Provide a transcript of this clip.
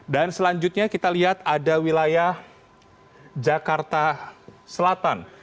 dan selanjutnya kita lihat ada wilayah jakarta selatan